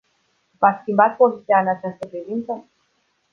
V-ați schimbat poziția în această privință?